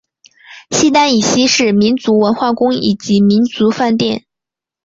西单以西是民族文化宫以及民族饭店。